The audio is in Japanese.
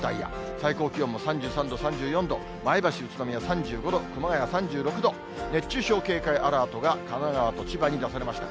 最高気温も３３度、３４度、前橋、宇都宮、３５度、熊谷３６度、熱中症警戒アラートが神奈川と千葉に出されました。